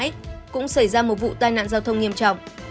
cũng xảy ra một vụ tai nạn giao thông nghiêm trọng